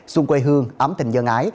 xuân quê hương ấm tình dân ái